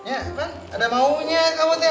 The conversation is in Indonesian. ada maunya kamu teng